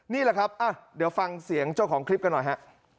นี่แหละครับเดี๋ยวฟังเสียงเจ้าของคลิปกันหน่อยฮะ